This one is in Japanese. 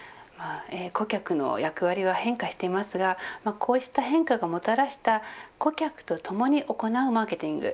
顧客の役割は変化していますがこうした変化がもたらした顧客とともに行うマーケティング